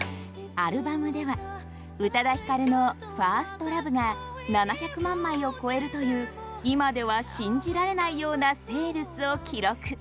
アルバムでは宇多田ヒカルの「ＦｉｒｓｔＬｏｖｅ」が７００万枚を超えるという今では信じられないようなセールスを記録。